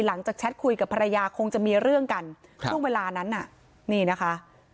แชทคุยกับภรรยาคงจะมีเรื่องกันช่วงเวลานั้นน่ะนี่นะคะ